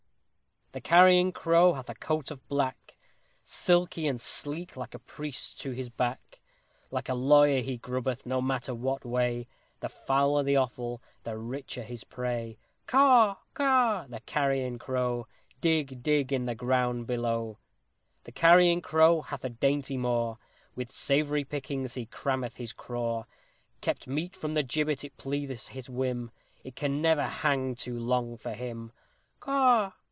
_ The Carrion Crow hath a coat of black, Silky and sleek like a priest's to his back; Like a lawyer he grubbeth no matter what way The fouler the offal, the richer his prey. Caw! Caw! the Carrion Crow! Dig! Dig! in the ground below! The Carrion Crow hath a dainty maw, With savory pickings he crammeth his craw; Kept meat from the gibbet it pleaseth his whim, It can never hang too long for him! _Caw!